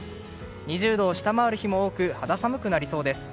２０度を下回る日も多く肌寒くなりそうです。